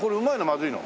まずいの？